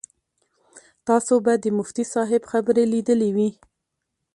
تاسو به د مفتي صاحب خبرې لیدلې وي.